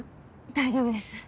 大丈夫です。